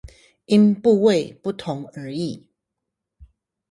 因部位不同而異